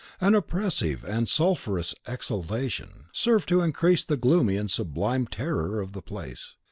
An oppressive and sulphureous exhalation served to increase the gloomy and sublime terror of the place.